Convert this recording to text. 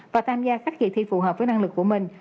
và tham gia các kỳ thi phù hợp với năng lực của mình